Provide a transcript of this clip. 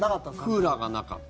クーラーがなかった。